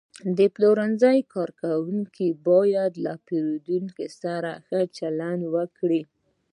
د پلورنځي کارکوونکي باید له پیرودونکو سره ښه چلند وکړي.